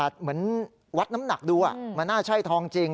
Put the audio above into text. เหมือนวัดน้ำหนักดูมันน่าใช่ทองจริง